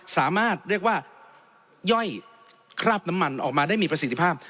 สามารถเรียกว่าย่อยคราบน้ำมันออกมาได้มีประสิทธิภาพ